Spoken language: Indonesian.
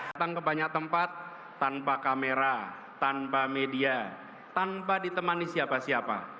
datang ke banyak tempat tanpa kamera tanpa media tanpa ditemani siapa siapa